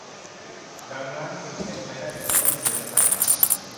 ดังนั้นจึงเป็นไปได้หรือไม่ที่เธอจะใส่มัน ?